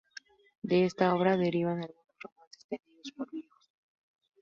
De esta obra derivan algunos romances tenidos por viejos.